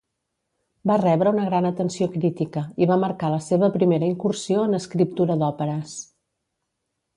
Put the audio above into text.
Va rebre una gran atenció crítica i va marcar la seva primera incursió en escriptura d'òperes.